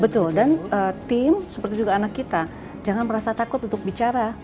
betul dan tim seperti juga anak kita jangan merasa takut untuk bicara